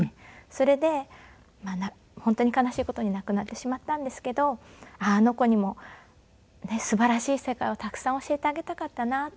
それで本当に悲しい事に亡くなってしまったんですけどあの子にもすばらしい世界をたくさん教えてあげたかったなって。